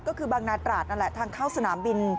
ก็คือบางนาตราดนั่นแหละทางเข้าสนามบิน